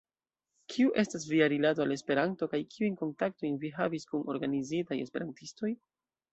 Kiu estas via rilato al Esperanto kaj kiujn kontaktojn vi havis kun organizitaj esperantistoj?